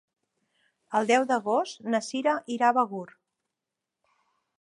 El deu d'agost na Sira irà a Begur.